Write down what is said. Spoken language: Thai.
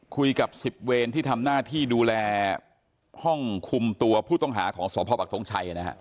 คุยกับ๑๐เวรที่ทำหน้าที่ดูแลห้องคุมตัวผู้ต้องหาของสพปักทงชัยนะฮะ